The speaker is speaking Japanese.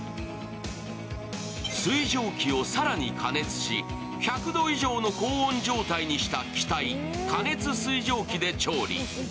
水蒸気を更に過熱し、１００度以上の高温状態にした気体、加熱水蒸気で調理。